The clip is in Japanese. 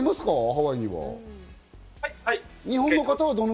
ハワイには。